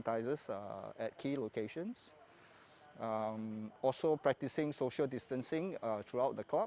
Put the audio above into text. dan juga mempraktikkan distancing sosial di seluruh kelab